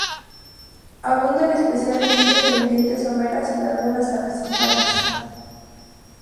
Abundan especialmente en pendientes someras y lagunas arrecifales.